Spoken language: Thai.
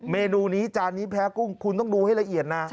เมนูนี้จานนี้แพ้กุ้งคุณต้องดูให้ละเอียดนะ